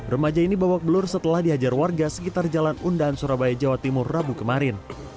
remaja ini babak belur setelah dihajar warga sekitar jalan undaan surabaya jawa timur rabu kemarin